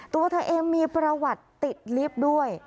ตัวเธอเองมีประวัติติดลิฟต์ด้วย